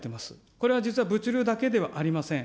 これは実は物流だけではありません。